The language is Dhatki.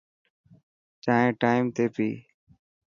چائين ٽائم تي پي.